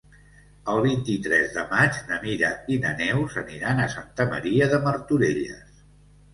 El vint-i-tres de maig na Mira i na Neus aniran a Santa Maria de Martorelles.